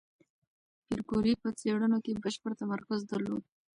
پېیر کوري په څېړنو کې بشپړ تمرکز درلود.